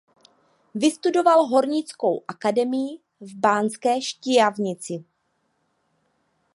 Vystudoval hornickou akademii v Banské Štiavnici.